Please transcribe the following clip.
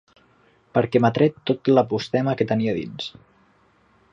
Perquè m’ha tret tot l'apostema que tenia dins.